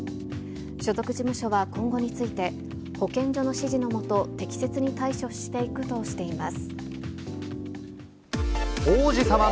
所属事務所は今後について、保健所の指示のもと、適切に対処していくとしています。